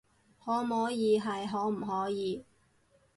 可摸耳係可唔可以